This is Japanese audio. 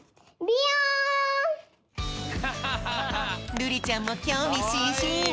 るりちゃんもきょうみしんしん！